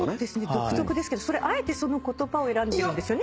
独特ですけどあえてその言葉を選んでるんですよね？